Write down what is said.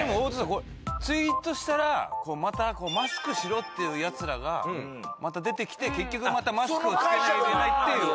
これツイートしたらまたマスクしろっていうヤツらがまた出てきて結局またマスクをつけなきゃいけないっていう。